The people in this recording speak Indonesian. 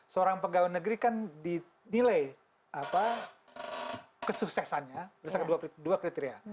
seorang pegawai negeri kan dinilai kesuksesannya berdasarkan dua kriteria